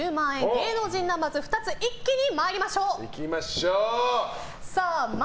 芸能人ナンバーズ２つ一気に参りましょう。